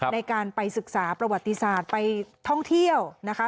ในการไปศึกษาประวัติศาสตร์ไปท่องเที่ยวนะคะ